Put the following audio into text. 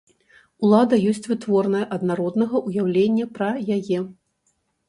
Улада ёсць вытворная ад народнага ўяўлення пра яе.